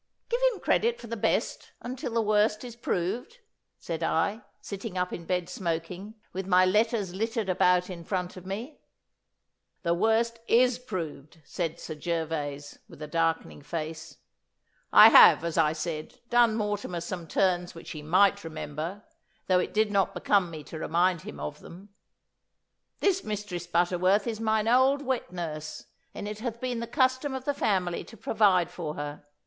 'Give him credit for the best until the worst is proved,' said I, sitting up in bed smoking, with my letters littered about in front of me. 'The worst is proved,' said Sir Gervas, with a darkening face. 'I have, as I said, done Mortimer some turns which he might remember, though it did not become me to remind him of them. This Mistress Butterworth is mine old wet nurse, and it hath been the custom of the family to provide for her.